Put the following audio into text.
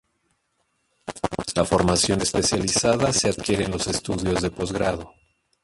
La formación especializada se adquiere en los estudios de posgrado.